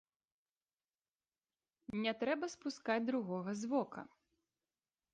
Не трэба спускаць другога з вока.